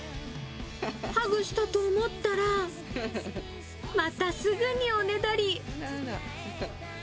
ハグしたと思ったら、またすぐにおねだり。